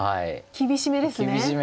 厳しめです。